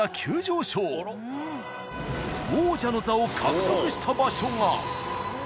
王者の座を獲得した場所が。